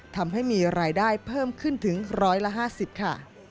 ทำให้มีรายได้เพิ่มขึ้นถึง๑๕๐ค่ะ